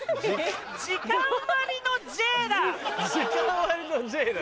時間割の「Ｊ」だ！